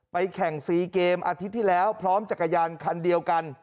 แข่ง๔เกมอาทิตย์ที่แล้วพร้อมจักรยานคันเดียวกัน